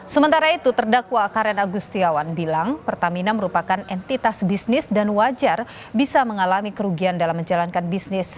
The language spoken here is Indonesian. sementara itu terdakwa karen agustiawan bilang pertamina merupakan entitas bisnis dan wajar bisa mengalami kerugian dalam menjalankan bisnis